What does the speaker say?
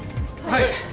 はい！